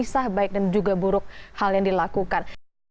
sah baik dan juga buruk hal yang dilakukan